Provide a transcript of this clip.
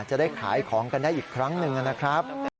จะได้ขายของกันได้อีกครั้งหนึ่งนะครับ